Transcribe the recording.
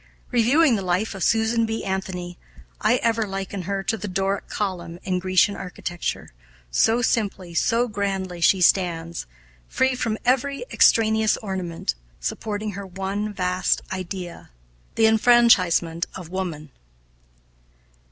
Reviewing the life of Susan B. Anthony, I ever liken her to the Doric column in Grecian architecture, so simply, so grandly she stands, free from every extraneous ornament, supporting her one vast idea the enfranchisement of woman.